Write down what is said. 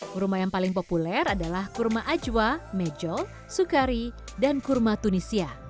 kurma yang paling populer adalah kurma ajwa mejol sukari dan kurma tunisia